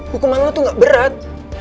hukuman lo tuh gak berat